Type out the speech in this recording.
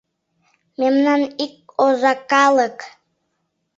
Мемнан ик оза — калык.